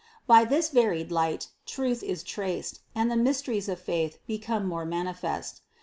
By this varied light, truth is traced, and the mysteries of faith become more manifest.